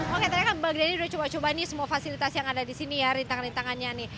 oke tadi kan bang gray udah coba coba nih semua fasilitas yang ada di sini ya rintangan rintangannya nih